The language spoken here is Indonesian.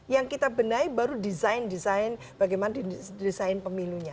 yang kita benahi baru desain desain bagaimana desain pemilunya